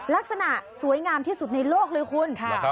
ลักษณะสวยงามที่สุดในโลกเลยคุณ